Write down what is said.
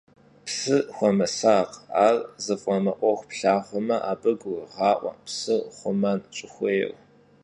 Psım xuemısakh, ar zıf'emı'uexu plhağume, abı gurığa'ue psır xhumen ş'ıxuêyr.